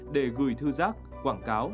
để gửi thư giác quảng cáo